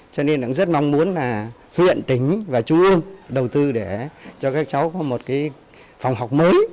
cho nên cũng rất mong muốn là huyện tỉnh và trung ương đầu tư để cho các cháu có một phòng học mới